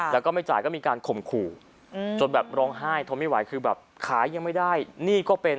แล้วก็ไม่จ่ายก็มีการข่มขู่จนแบบร้องไห้ทนไม่ไหวคือแบบขายยังไม่ได้หนี้ก็เป็น